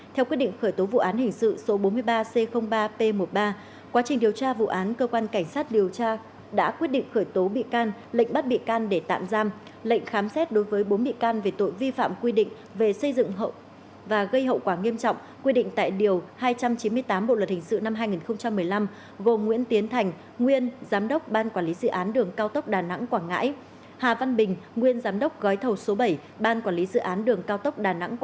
theo quyết định khởi tố vụ án hình sự số bốn mươi ba c ba p một mươi ba quá trình điều tra vụ án cơ quan cảnh sát điều tra đã quyết định khởi tố bị can lệnh bắt bị can để tạm giam lệnh khám xét đối với bốn bị can về tội vi phạm quy định về xây dựng hậu và gây hậu quả nghiêm trọng quy định tại điều hai trăm chín mươi tám bộ luật hình sự năm hai nghìn một mươi năm gồm nguyễn tiến thành nguyên giám đốc ban quản lý dự án đường cao tốc đà nẵng quảng ngãi hà văn bình nguyên giám đốc gói thầu số bảy ban quản lý dự án đường cao tốc